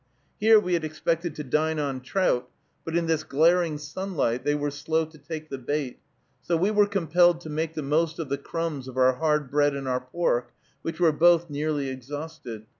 Here we had expected to dine on trout, but in this glaring sunlight they were slow to take the bait, so we were compelled to make the most of the crumbs of our hard bread and our pork, which were both nearly exhausted.